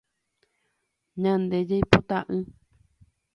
Ñande jaipota y.